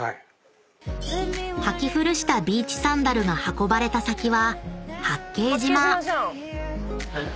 ［履き古したビーチサンダルが運ばれた先は］